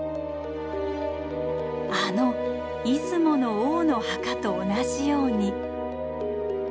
あの出雲の王の墓と同じように。